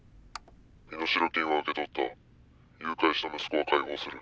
「身代金は受け取った」「誘拐した息子は解放する」